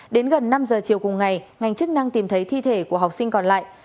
đến gần năm giờ chiều cùng ngày ngành chức năng tìm thấy thi thể của học sinh còn lại